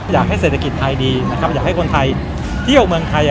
อยากให้เศรษฐกิจไทยดีนะครับอยากให้คนไทยเที่ยวเมืองไทย